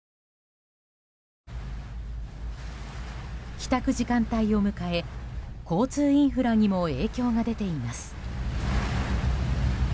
帰宅時間帯を迎え交通インフラにも影響が出ています。